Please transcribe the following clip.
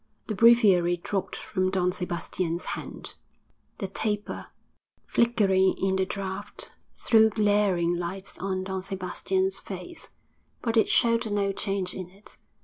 The breviary dropped from Don Sebastian's hand. The taper, flickering in the draught, threw glaring lights on Don Sebastian's face, but it showed no change in it.